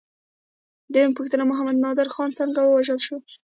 درېمه پوښتنه: محمد نادر خان څنګه ووژل شو؟